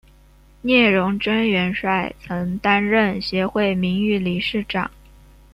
聂荣臻元帅曾担任协会名誉理事长。